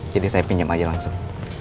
jadi saya pinjam aja langsung